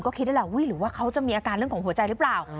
ก็คิดได้แหละหรือว่าเขาจะมีอาการเรื่องของหัวใจหรือเปล่า